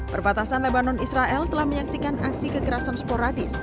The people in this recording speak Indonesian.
perbatasan lebanon israel telah menyaksikan aksi kekerasan sporadis